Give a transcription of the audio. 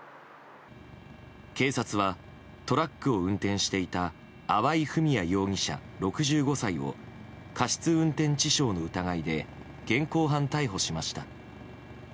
警察はトラックを運転していた粟井文哉容疑者、６５歳を過失運転致傷の疑いで現行犯逮捕しました。